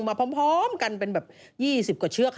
เชือกต้องมีเชือก